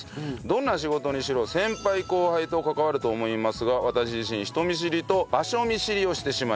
どんな仕事にしろ先輩後輩と関わると思いますが私自身人見知りと場所見知りをしてしまいます。